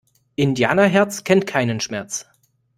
Indianerherz kennt keinen Schmerz!